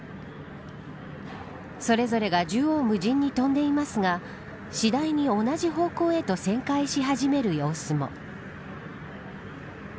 それぞれが縦横無尽に飛んでいますが次第に同じ方向へと旋回し始める様子も。